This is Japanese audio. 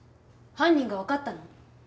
犯人が分かったの！？